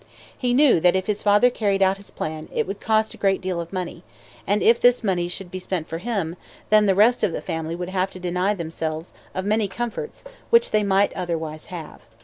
He knew that if his father carried out this plan, it would cost a great deal of money; and if this money should be spent for him, then the rest of the family would have to deny themselves of many comforts which they might otherwise have.